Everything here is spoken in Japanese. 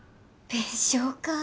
弁償かぁ。